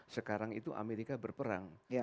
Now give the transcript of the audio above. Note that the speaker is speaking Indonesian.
sekarang itu amerika berperang